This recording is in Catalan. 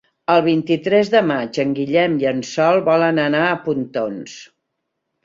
El vint-i-tres de maig en Guillem i en Sol volen anar a Pontons.